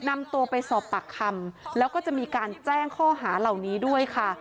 นำตัวไปสอบปากคำแล้วก็จะมีการแจ้งข้อหาเหล่านี้ด้วยค่ะ